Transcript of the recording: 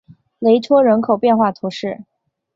雷托人口变化图示